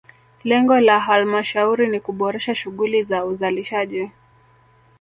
Lengo la halmashauri ni kuboresha shughuli za uzalishaji